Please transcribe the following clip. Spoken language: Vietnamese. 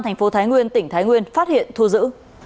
tp thái nguyên tỉnh thái nguyên phát hiện thu giữ